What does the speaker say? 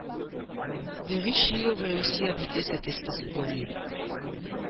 Des rishis auraient aussi habité cet espacé boisé.